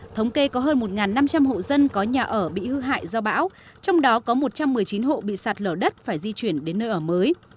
thống kê có hơn một năm trăm linh hộ dân có nhà ở bị hư hại do bão trong đó có một trăm một mươi chín hộ bị sạt lở đất phải di chuyển đến nơi ở mới